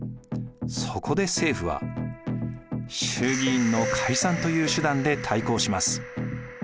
そこで政府は衆議院の解散という手段で対抗します。